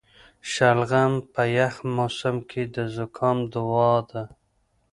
شلغم په یخ موسم کې د زکام دوا ده.